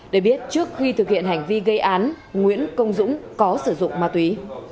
để biết trước khi thực hiện hành vi gây án nguyễn công dũng có sử dụng ma túy